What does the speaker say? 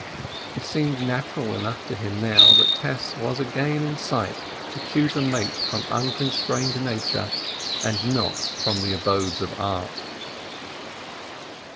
It seemed natural enough to him now that Tess was again in sight to choose a mate from unconstrained Nature, and not from the abodes of Art.